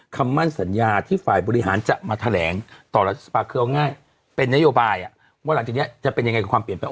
คำมั่นสัญญาที่ฝ่ายบริหารจะมาแถลงต่อรัฐสภาคือเอาง่ายเป็นนโยบายว่าหลังจากนี้จะเป็นยังไงกับความเปลี่ยนแปลง